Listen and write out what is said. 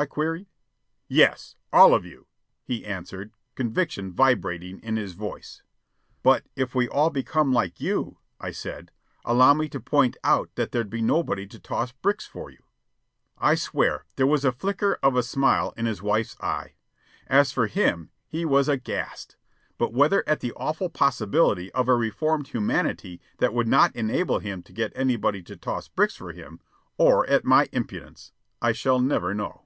I queried. "Yes, all of you," he answered, conviction vibrating in his voice. "But if we all became like you," I said, "allow me to point out that there'd be nobody to toss bricks for you." I swear there was a flicker of a smile in his wife's eye. As for him, he was aghast but whether at the awful possibility of a reformed humanity that would not enable him to get anybody to toss bricks for him, or at my impudence, I shall never know.